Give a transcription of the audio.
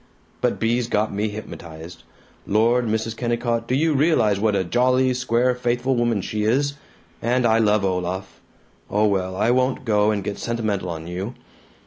But Bea's got me hypnotized. Lord, Mrs. Kennicott, do you re'lize what a jolly, square, faithful woman she is? And I love Olaf Oh well, I won't go and get sentimental on you.